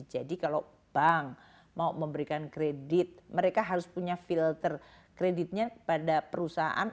jadi kalau bank mau memberikan kredit mereka harus punya filter kreditnya pada perusahaan